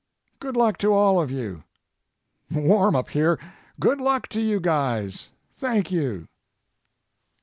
Good luck to all of you. Warm up here. Good luck to you guys. Thank you.